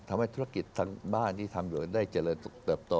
ทำให้ธุรกิจทั้งบ้านที่ทำอยู่ได้เจริญเติบโต